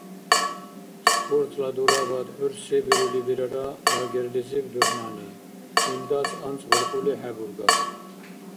Спортла дурабад гӀур се бирули бирара лагерлизиб дурхӀнани? Илдас анцӀбулкьули хӀебургар?